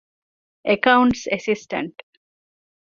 އެކައުންޓްސް އެސިސްޓަންޓް